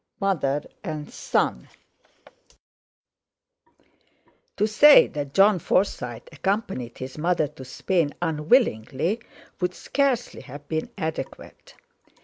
—MOTHER AND SON To say that Jon Forsyte accompanied his mother to Spain unwillingly would scarcely have been adequate.